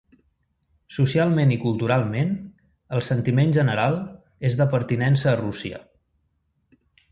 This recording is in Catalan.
Socialment i culturalment, el sentiment general és de pertinença a Rússia.